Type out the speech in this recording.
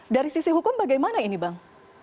dari sisi hukum bagaimana ini bang